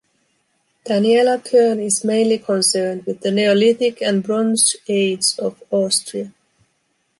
Daniela Kern is mainly concerned with the Neolithic and Bronze Age of Austria.